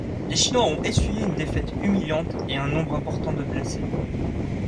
Les Chinois ont essuyé une défaite humiliante et un nombre important de blessés.